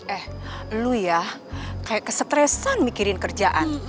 eh lu ya kayak kestresan mikirin kerjaan